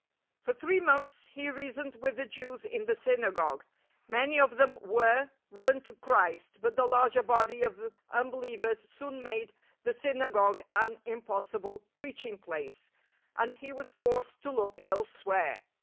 For three months he reasoned with the Jews in the synagogue. Many of them w^ere won to Christ, but the larger body of unbehevers soon made the synagogue an impossible preaching place, and he was forced to look elsewhere.